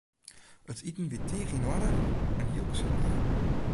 It iten wie tige yn oarder en hiel gesellich.